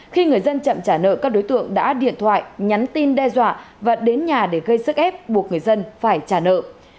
khi người dân chậm trả nợ các đối tượng đã điện thoại nhắn tin đe dọa và đến nhà để gây sức ép buộc người dân phải trả nợ